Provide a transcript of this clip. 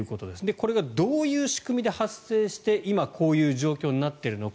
これがどういう仕組みで発生して今、こういう状況になっているのか。